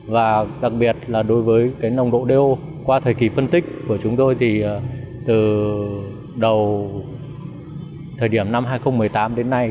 và đặc biệt là đối với nồng độ do qua thời kỳ phân tích của chúng tôi thì từ đầu thời điểm năm hai nghìn một mươi tám đến nay